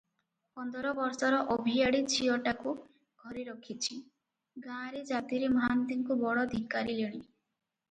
ପନ୍ଦର ବର୍ଷର ଅଭିଆଡ଼ୀ ଝିଅଟାକୁ ଘରେ ରଖିଛି, ଗାଁରେ ଜାତିରେ ମହାନ୍ତିଙ୍କୁ ବଡ଼ ଧିକାରିଲେଣି ।